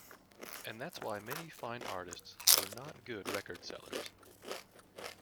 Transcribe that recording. And that's why many fine artists were not good record sellers.